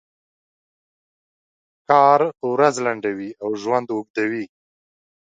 کار ورځ لنډوي او ژوند اوږدوي.